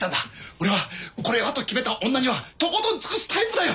俺はこれはと決めた女にはとことん尽くすタイプだよ。